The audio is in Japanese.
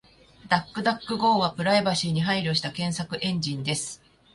DuckDuckGo はプライバシーに配慮した検索エンジンです。